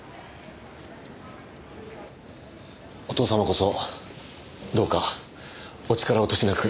お義父様こそどうかお力落としなく。